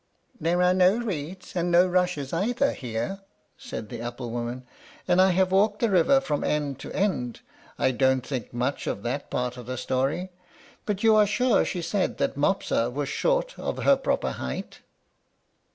"There are no reeds, and no rushes either, here," said the apple woman, "and I have walked the river from end to end. I don't think much of that part of the story. But you are sure she said that Mopsa was short of her proper height?"